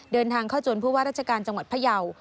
เดินทางเข้าจนผู้ว่าราชการจังหวัดพยาว